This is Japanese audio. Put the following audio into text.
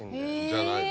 じゃないの。